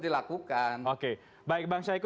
dilakukan oke baik bang syahiku